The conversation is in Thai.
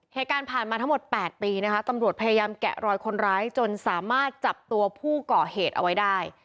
เหตุการณ์ผ่านมาทั้งหมด๘ปีนะคะตำรวจพยายามแกะรอยคนร้ายจนสามารถจับตัวผู้ก่อเหตุเอาไว้ได้